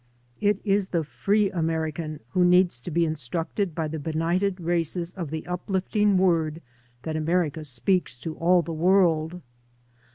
It is the free American who needs to be instructed by the benighted races in the uplifting word that America speaks to all the world.